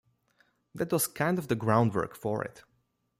That was kind of the groundwork for it.